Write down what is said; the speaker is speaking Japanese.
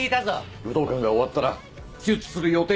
武道館が終わったら手術する予定だったんだ。